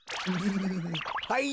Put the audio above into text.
はい！